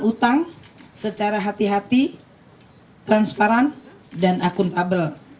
pemerintah akan menjaga pengelolaan utang secara hati hati transparan dan akuntabel